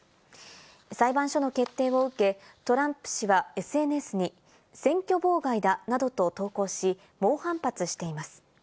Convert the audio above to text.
裁判所の決定を受け、トランプ氏はＳＮＳに、選挙妨害だ、などと投稿し、猛反発しています。